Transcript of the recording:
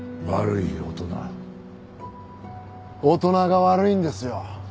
大人が悪いんですよ。